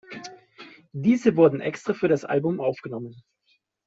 Diese wurden extra für das Album aufgenommen.